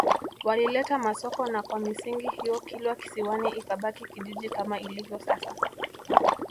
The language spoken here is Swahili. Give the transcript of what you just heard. Walileta Masoko na kwa misingi hiyo Kilwa Kisiwani ikabaki kijiji kama ilivyo sasa